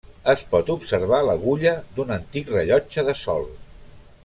Es pot observar l'agulla d'un antic rellotge de sol.